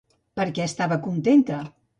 Per què estava contenta?